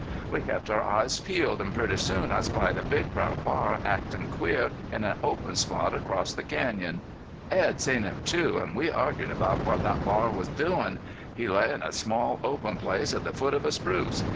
We kept our eyes peeled, an' pretty soon I spied a big brown bar actin' queer in an open spot across the canyon. Edd seen him too, an' we argued about what thet bar was doin'. He lay in a small open place at the foot of a spruce.